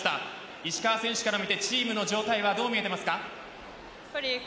石川選手から見てチームの状態はどう見えていますか？